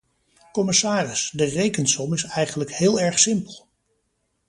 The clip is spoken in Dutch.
Commissaris, de rekensom is eigenlijk heel erg simpel.